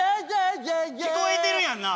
聞こえてるやんな？